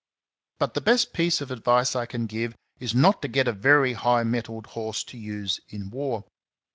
But the best piece of advice I can give is not to get a very high mettled horse to use in war.